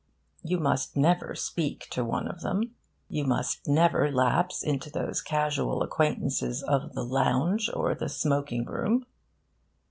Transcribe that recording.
You must never speak to one of them. You must never lapse into those casual acquaintances of the 'lounge' or the smoking room.